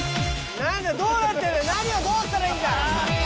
なんだどうなってるんだ？